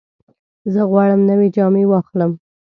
زه غواړم نوې جامې واخلم.